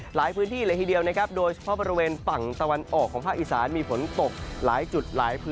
หลายพื้นที่เดียวโดยเฉพาะบริเวณฝั่งตะวันออกของภาคอีสานมีผลตกหลายจุด